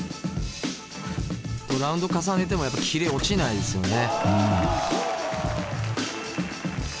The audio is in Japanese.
ラウンド重ねてもやっぱキレ落ちないですよね。